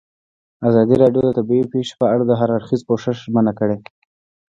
ازادي راډیو د طبیعي پېښې په اړه د هر اړخیز پوښښ ژمنه کړې.